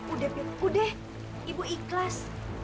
udah ibu ikhlas